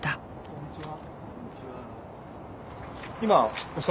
こんにちは。